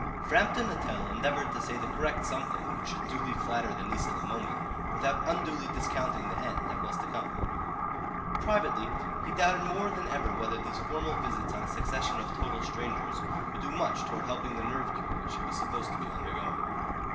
Framton Nuttel endeavoured to say the correct something which should duly flatter the niece of the moment without unduly discounting the aunt that was to come. Privately he doubted more than ever whether these formal visits on a succession of total strangers would do much towards helping the nerve cure which he was supposed to be undergoing.